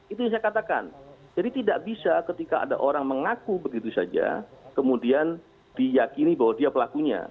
itu yang saya katakan jadi tidak bisa ketika ada orang mengaku begitu saja kemudian diyakini bahwa dia pelakunya